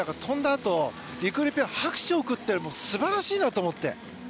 あとりくりゅうペアが拍手を送っていて素晴らしいなと思って。